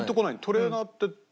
トレーナーって。